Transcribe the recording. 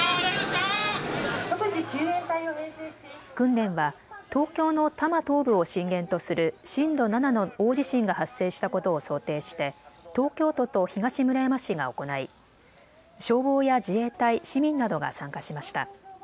訓練は東京の多摩東部を震源とする震度７の大地震が発生したことを想定して東京都と東村山市が行い消防や自衛隊、市民などが参加しました。